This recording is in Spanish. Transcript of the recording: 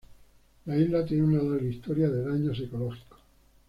La isla tiene una larga historia de daños ecológicos.